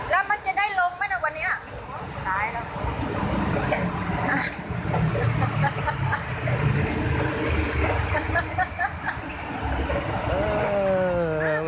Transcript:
แล้วจะได้ลงไหมวันนี้